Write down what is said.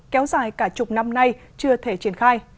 kéo dài cả chục năm nay chưa thể triển khai